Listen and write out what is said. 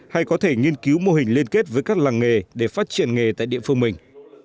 hay có thể nghiên cứu mô hình liên kết với các làng nghề để phát triển nghề tại địa phương mình